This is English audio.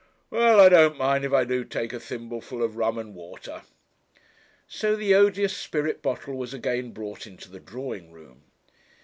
'Well, I don't mind if I do take a thimbleful of rum and water.' So the odious spirit bottle was again brought into the drawing room.